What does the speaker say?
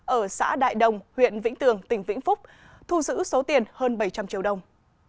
ở xã đại đồng huyện vĩnh tường tỉnh vĩnh phúc thu giữ số tiền hơn bảy trăm linh triệu đồng